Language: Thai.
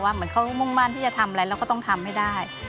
เหมือนเขามุ่งมั่นที่จะทำอะไรเราก็ต้องทำให้ได้